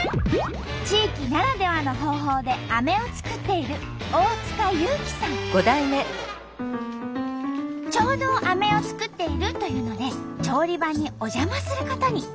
地域ならではの方法でアメを作っているちょうどアメを作っているというので調理場にお邪魔することに。